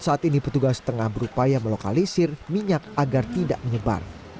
saat ini petugas tengah berupaya melokalisir minyak agar tidak menyebar